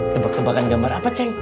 tebak tebakan gambar apa ceng